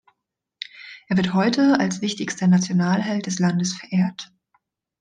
Er wird heute als wichtigster Nationalheld des Landes verehrt.